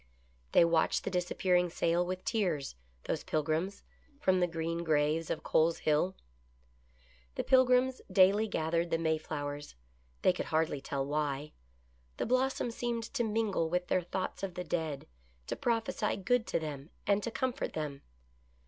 They watched the dis appearing sail with tears, those Pilgrims, from the Screen or raves of O O Cole's Hill. The Pilgrims daily gathered the Mayflowers. They could hard ly tell why. The blossom seemed to mingle with their thoughts of the dead, to prophesy good to them and to comfort them.